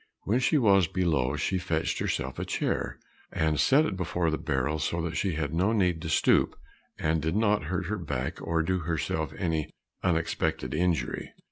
When she was below she fetched herself a chair, and set it before the barrel so that she had no need to stoop, and did not hurt her back or do herself any unexpected injury.